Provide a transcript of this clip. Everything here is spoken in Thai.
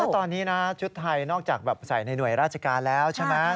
ตอนนี้นะชุดไทยนอกจากใส่ในหน่วยราชการแล้วใช่ไหม